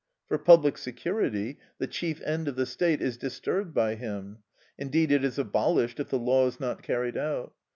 For public security, the chief end of the state, is disturbed by him; indeed it is abolished if the law is not carried out.